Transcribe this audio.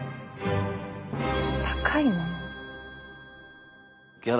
高いもの？